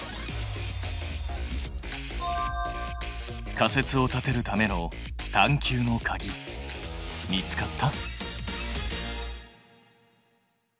仮説を立てるための探究のかぎ見つかった？